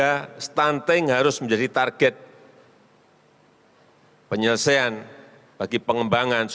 artinya masih dalam kandungan